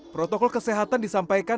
protokol kesehatan disampaikan